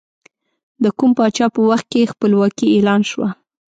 د کوم پاچا په وخت کې خپلواکي اعلان شوه؟